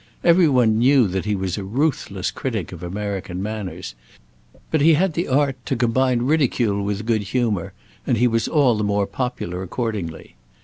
Every one knew that he was a ruthless critic of American manners, but he had the art to combine ridicule with good humour, and he was all the more popular accordingly.